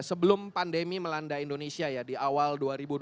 sebelum pandemi melanda indonesia ya di awal dua ribu dua puluh